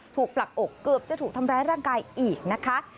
ปลักอกเกือบจะถูกทำร้ายร่างกายอีกนะคะ